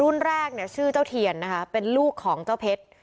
แรกเนี่ยชื่อเจ้าเทียนนะคะเป็นลูกของเจ้าเพชร